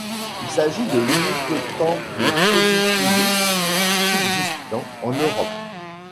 Il s'agit de l'unique temple positiviste subsistant en Europe.